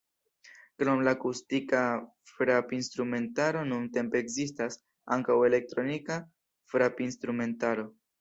Krom la akustika frapinstrumentaro nuntempe ekzistas ankaŭ elektronika frapinstrumentaro.